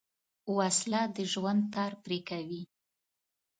وسله د ژوند تار پرې کوي